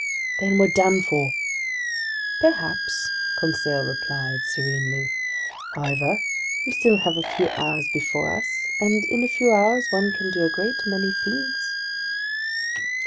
"Then we're done for!" "Perhaps," Conseil replied serenely. "However, we still have a few hours before us, and in a few hours one can do a great many things!"